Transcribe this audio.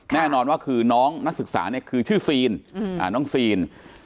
แน่นอนว่าคือน้องนักศึกษาเนี่ยคือชื่อซีนน้องซีน